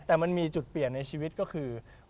แต่มันมีจุดเปลี่ยนในชีวิตก็คือ